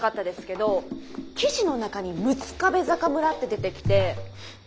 どォ記事の中に「六壁坂村」って出てきて。